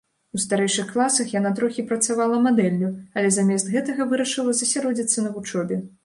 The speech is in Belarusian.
У старэйшых класах яна трохі працавала мадэллю, але замест гэтага вырашыла засяродзіцца на вучобе.